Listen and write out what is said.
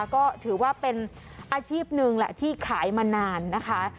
ก็ถือว่าเป็นอาชีพหนึ่งแหละที่ขายมานานนะคะ